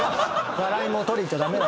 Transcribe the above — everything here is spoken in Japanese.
笑いも取りにいっちゃダメだな。